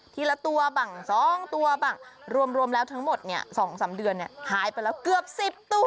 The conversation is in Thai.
ทีละตัวบังสองตัวบังรวมรวมแล้วทั้งหมดเนี้ยสองสามเดือนเนี้ยหายไปแล้วเกือบสิบตัว